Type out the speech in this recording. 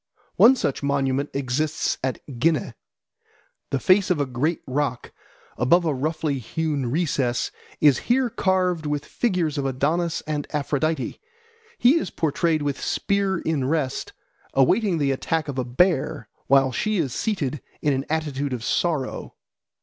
One such monument exists at Ghineh. The face of a great rock, above a roughly hewn recess, is here carved with figures of Adonis and Aphrodite. He is portrayed with spear in rest, awaiting the attack of a bear, while she is seated in an attitude of sorrow.